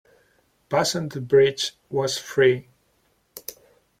Passing the bridge was free.